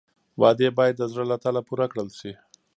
وعدې باید د زړه له تله پوره کړل شي.